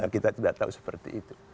kita tidak tahu seperti itu